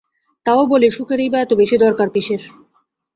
তাও বলি সুখেরই বা এত বেশি দরকার কিসের!